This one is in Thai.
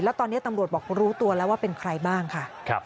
แล้วตอนนี้ตำรวจบอกรู้ตัวแล้วว่าเป็นใครบ้างค่ะ